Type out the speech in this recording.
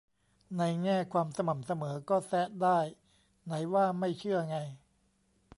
ในแง่ความสม่ำเสมอก็แซะได้ ไหนว่าไม่เชื่อไง